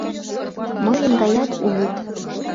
— Мыйын гаят улыт.